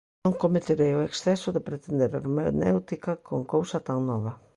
Non cometerei o exceso de pretender hermenéutica con cousa tan nova.